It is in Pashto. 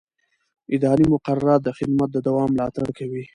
اداري مقررات د خدمت د دوام ملاتړ کوي.